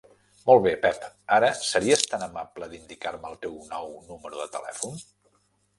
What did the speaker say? Molt bé, Pep, ara series tan amable d'indicar-me el teu nou número de telèfon?